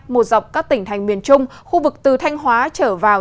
một dọc các tỉnh thành miền trung khu vực từ thanh hóa trở vào